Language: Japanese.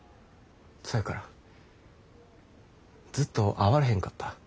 そやからずっと会われへんかった。